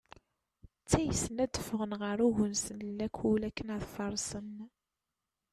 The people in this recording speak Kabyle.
Ttaysen ad d-ffɣen ɣer ugnes n lakul akken ad farsen.